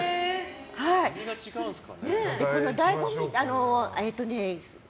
何が違うんですか？